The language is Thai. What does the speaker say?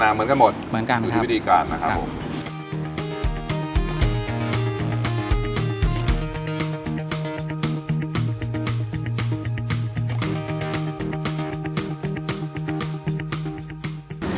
เหมือนกันหมดเหมือนกันอยู่ที่วิธีการนะครับผม